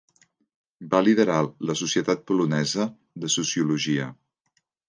Va liderar la Societat Polonesa de Sociologia.